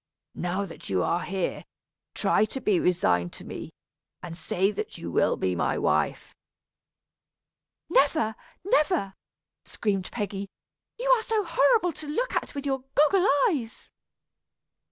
Now that you are here, try to be resigned to me, and say that you will be my wife." "Never, never," screamed Peggy; "you are so horrible to look at with your goggle eyes."